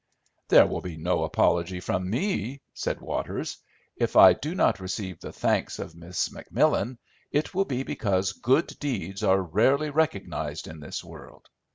"There will be no apology from me," said Waters. "If I do not receive the thanks of Miss McMillan, it will be because good deeds are rarely recognised in this world.